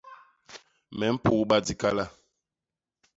Me mpugba dikala.